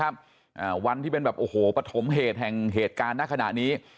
อ่าวันที่เป็นแบบโอ้โหปฐมเหตุแห่งเหตุการณ์ณขณะนี้